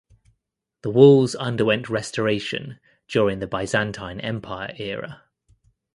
The walls underwent restoration during the Byzantine Empire era.